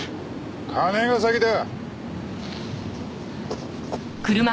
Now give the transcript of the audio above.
金が先だ。